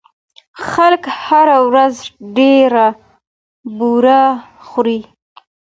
خلک هره ورځ ډېره بوره خوري.